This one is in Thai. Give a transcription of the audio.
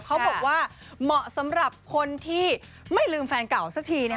เขาบอกว่าเหมาะสำหรับคนที่ไม่ลืมแฟนเก่าสักที